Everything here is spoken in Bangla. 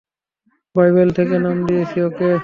বাইবেল থেকে নাম দিয়েছি ওকে।